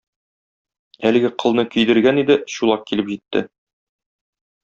Әлеге кылны көйдергән иде, Чулак килеп җитте.